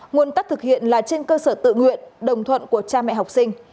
nguồn tắc thực hiện là trên cơ sở tự nguyện đồng thuận của cha mẹ học sinh